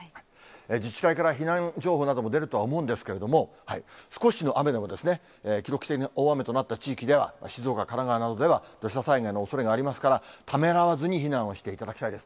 自治体から避難情報なども出るとは思うんですけれども、少しの雨でもですね、記録的な大雨となった地域では、静岡、神奈川などでは土砂災害のおそれがありますから、ためらわずに避難をしていただきたいです。